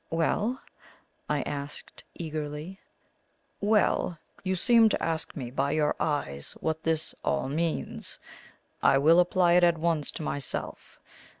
"Well?" I asked eagerly. "Well, you seem to ask me by your eyes what this all means. I will apply it at once to myself.